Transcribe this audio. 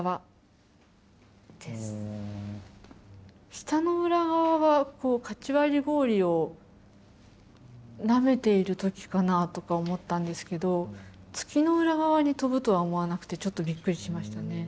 「舌の裏側」はカチ割り氷をなめている時かなとか思ったんですけど「月の裏側」に飛ぶとは思わなくてちょっとびっくりしましたね。